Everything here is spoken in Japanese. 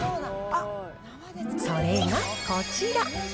それがこちら。